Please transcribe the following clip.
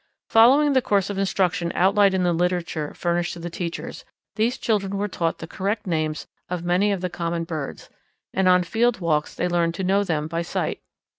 Following the course of instruction outlined in the literature furnished to the teachers, these children were taught the correct names of many of the common birds, and on field walks they learned to know them by sight.